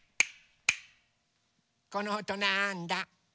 このおとなんだ？